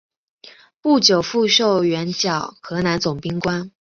不久复授援剿河南总兵官。